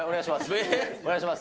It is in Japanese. お願いします。